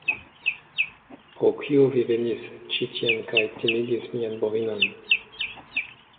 Pro kio vi venis ĉi tien kaj timigis mian bovinon?